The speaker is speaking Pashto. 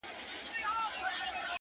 تر ښایست دي پر آواز باندي مین یم!!